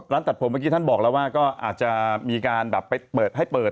ตัดผมเมื่อกี้ท่านบอกแล้วว่าก็อาจจะมีการแบบไปเปิดให้เปิด